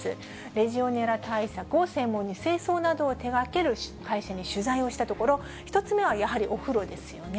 レジオネラ対策を対象に、清掃などを手がける会社に取材をしたところ、１つ目はやはりお風呂ですよね。